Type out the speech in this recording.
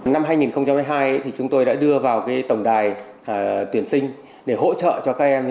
năm hai nghìn hai mươi hai thì chúng tôi đã đưa vào tổng đài tuyển sinh để hỗ trợ cho các em